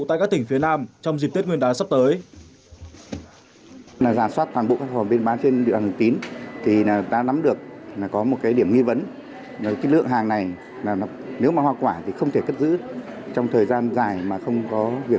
tại các tỉnh phía nam trong dịp tết nguyên đán sắp tới